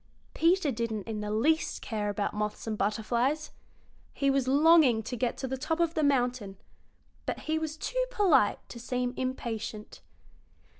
Peter didn't in the least care about moths and butterflies. He was longing to get to the top of the mountain, but he was too polite to seem impatient.